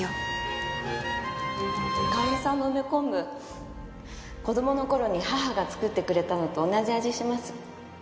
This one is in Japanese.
香織さんの梅昆布子供の頃に母が作ってくれたのと同じ味します。